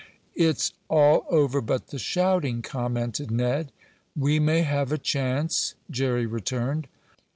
"It's all over but the shouting," commented Ned. "We may have a chance," Jerry returned.